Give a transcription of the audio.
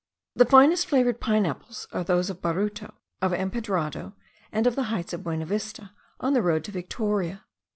The finest flavoured pine apples are those of Baruto, of Empedrado, and of the heights of Buenavista, on the road to Victoria.